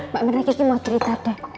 pak mirna kiki mau cerita deh